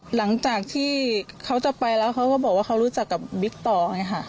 หลังจากที่เขาจะไปแล้วเขาก็บอกว่าเขารู้จักกับบิ๊กต่อไงค่ะ